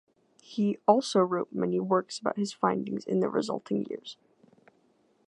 He also wrote many works about his findings in the resulting years.